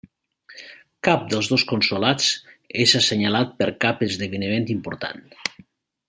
Cap dels dos consolats és assenyalat per cap esdeveniment important.